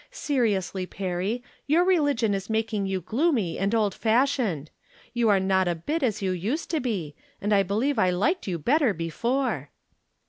Seriously, Perry, your religion is making you gloomy and old fashioned. You are not a bit as you used to be, and I believe I liked you better before."